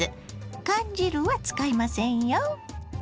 缶汁は使いませんよ。